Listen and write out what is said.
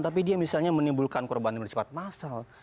tapi dia misalnya menimbulkan korban yang cepat masal